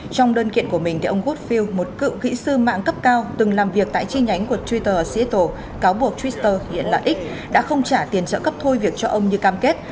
trong đơn kiện của mình ông woodfield một cựu kỹ sư mạng cấp cao từng làm việc tại chi nhánh của twitter ở seattle cáo buộc twitter hiện là x đã không trả tiền trợ cấp thôi việc cho ông như cam kết